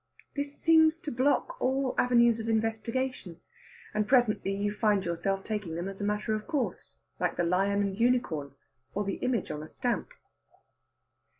This seems to block all avenues of investigation, and presently you find yourself taking them as a matter of course, like the Lion and Unicorn, or the image on a stamp.